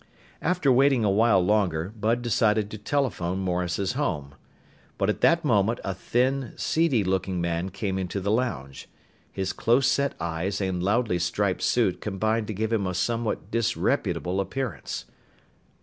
After waiting a while longer, Bud decided to telephone Morris's home. But at that moment a thin, seedy looking man came into the lounge. His close set eyes and loudly striped suit combined to give him a somewhat disreputable appearance.